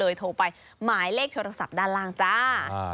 โทรไปหมายเลขโทรศัพท์ด้านล่างจ้า